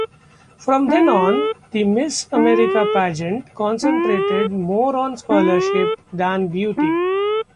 From then on the Miss America pageant concentrated more on scholarship than beauty.